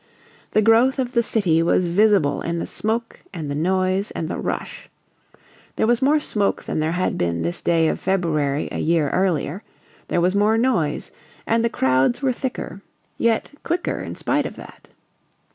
The growth of the city was visible in the smoke and the noise and the rush. There was more smoke than there had been this day of February a year earlier; there was more noise; and the crowds were thicker yet quicker in spite of that.